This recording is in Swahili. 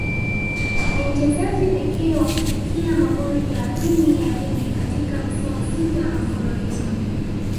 Ni mchezaji pekee wa kufikia magoli thelathini ya ligi katika misimu sita mfululizo